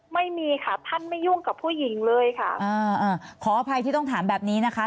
ไม่มีค่ะท่านไม่ยุ่งกับผู้หญิงเลยค่ะอ่าขออภัยที่ต้องถามแบบนี้นะคะ